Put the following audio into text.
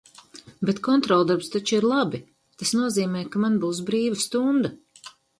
Bet kontroldarbs taču ir labi! Tas nozīmē, ka man būs brīva stunda.